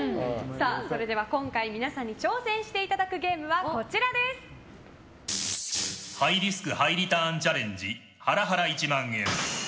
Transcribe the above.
それでは今回皆さんに挑戦していただくゲームはハイリスクハイリターンチャレンジハラハラ１万円。